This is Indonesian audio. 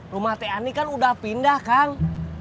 rumah t ani kan udah pindah kang